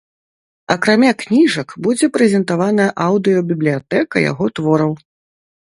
Акрамя кніжак, будзе прэзентаваная аўдыёбібліятэка яго твораў.